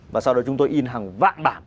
và sau đó chúng tôi in hàng vạn bản